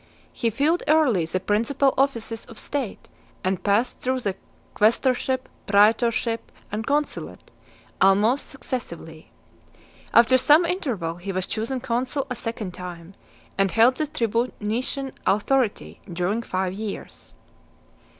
He filled early the principal offices of state; and passed through the quaestorship , praetorship , and consulate almost successively. After some interval, he was chosen consul a second time, and held the tribunitian authority during five years.